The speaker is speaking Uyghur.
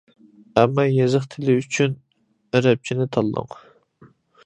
ئەمما يېزىق تىلى ئۈچۈن ئەرەبچىنى تاللاڭ.